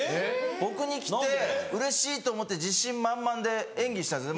僕に来てうれしいと思って自信満々で演技したんです。